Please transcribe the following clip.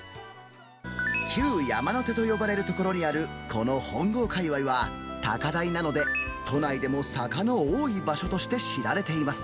きゅうやまなかと呼ばれる所にあるこの本郷界わいは、高台なので都内でも坂の多い場所として知られています。